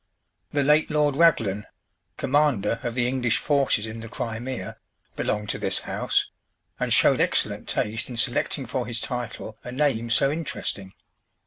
The late Lord Raglan, commander of the English forces in the Crimea, belonged to this house, and showed excellent taste in selecting for his title a name so interesting.